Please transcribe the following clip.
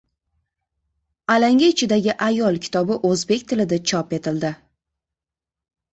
“Alanga ichidagi ayol” kitobi o‘zbek tilida chop etildi